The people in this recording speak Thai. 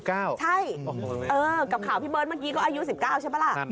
ใช่กับข่าวพี่เบิร์ตเมื่อกี้ก็อายุ๑๙ใช่ปะล่ะ